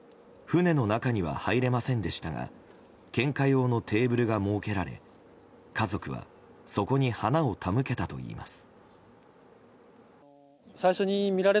船の中には入れませんでしたが献花用のテーブルが設けられ家族はそこに花を手向けたといいます。